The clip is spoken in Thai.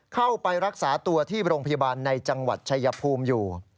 เข้าไปรักษาตัวที่โรงพยาบาลในจังหวัดชายภูมิอยู่